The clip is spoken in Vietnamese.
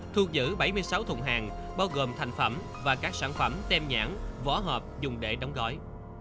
thu giữ bảy mươi sáu thùng hàng bao gồm thành phẩm và các sản phẩm tem nhãn vỏ hợp dùng để đóng gói